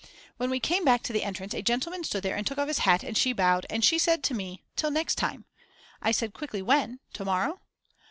When we came back to the entrance a gentleman stood there and took off his hat and she bowed, and she said to me: Till next time. I said quickly: When? Tomorrow?